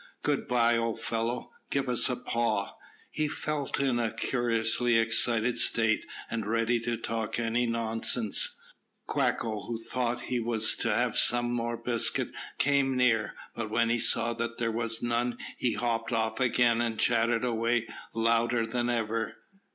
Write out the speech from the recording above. Good bye, old fellow, give us a paw." He felt in a curiously excited state, and ready to talk any nonsense. Quacko, who thought he was to have some more biscuit, came near, but when he saw that there was none he hopped off again and chattered away louder than ever.